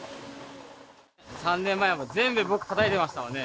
３年前はもう全部僕たたいていましたもんね